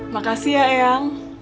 makasih ya eyang